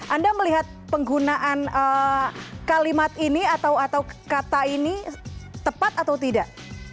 anda melihat penggunaan kalimat ini atau kata ini tepat atau tidak